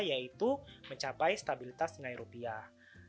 yaitu mencapai stabilitas nilai rupiah